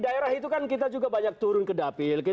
saya akan bahas yang lain